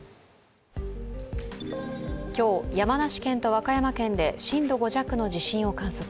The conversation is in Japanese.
今日、山梨県と和歌山県で震度５弱の地震を観測。